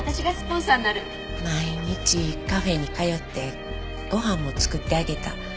毎日カフェに通ってご飯も作ってあげた。